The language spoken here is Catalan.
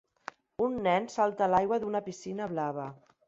un nen salta a l'aigua d'una piscina blava.